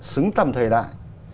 xứng tầm thời đại